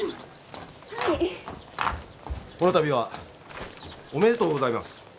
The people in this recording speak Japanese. この度はおめでとうございます。